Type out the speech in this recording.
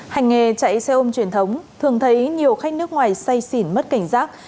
hành nghề chạy xe ôm truyền thống thường thấy nhiều khách nước ngoài say xỉn mất cảnh giác